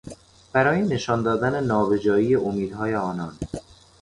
برای نشان دادن نابجایی امیدهای آنان